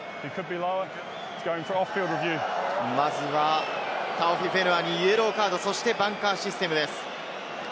まずは、タオフィフェヌアにイエローカード、そしてバンカーシステムです。